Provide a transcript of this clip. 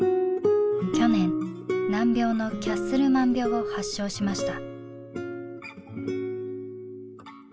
去年難病のキャッスルマン病を発症しました。